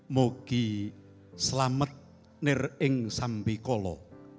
mogi selamat nireng sampikolo